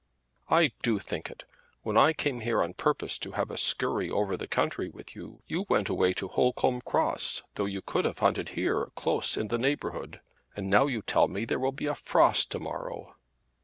"I do think it. When I came here on purpose to have a skurry over the country with you, you went away to Holcombe Cross though you could have hunted here, close in the neighbourhood. And now you tell me there will be a frost to morrow."